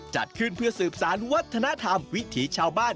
จัดขึ้นเพื่อสืบสารวัฒนธรรมวิถีชาวบ้าน